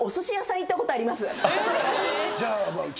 じゃあ。